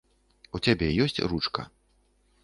У цябе ёсць ручка?